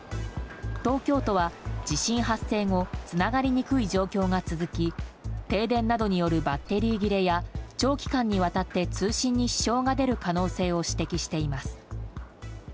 東京都は地震発生後つながりにくい状況が続き停電などによるバッテリー切れや長期間にわたって通信に支障が出る可能性を指摘しています。